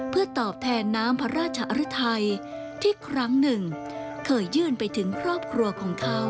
เพื่อตอบแทนน้ำพระราชอรุไทยที่ครั้งหนึ่งเคยยื่นไปถึงครอบครัวของเขา